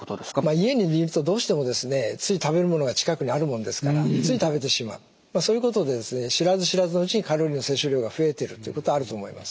家にいるとどうしてもですねつい食べるものが近くにあるもんですからつい食べてしまうそういうことで知らず知らずのうちにカロリーの摂取量が増えてるってことはあると思います。